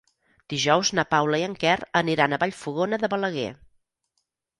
Dijous na Paula i en Quer aniran a Vallfogona de Balaguer.